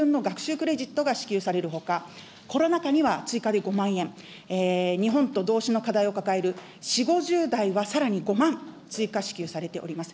クレジットが支給されるほか、コロナ禍には追加で５万円、日本と同種の課題を抱える４、５０代は、さらに５万追加支給されております。